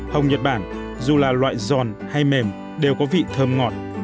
hồng nhật bản dù là loại giòn hay mềm đều có vị thơm ngọt